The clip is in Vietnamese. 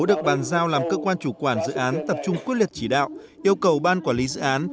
được bàn giao làm cơ quan chủ quản dự án tập trung quyết liệt chỉ đạo yêu cầu ban quản lý dự án